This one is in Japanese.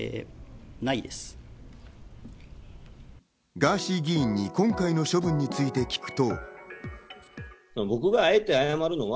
ガーシー議員に今回の処分について聞くと。